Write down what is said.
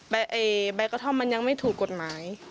ใบกระท่อมมันยังไม่ถูกกฎหมาย